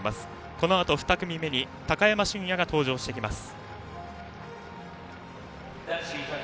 このあと２組目に高山峻野が登場してきます。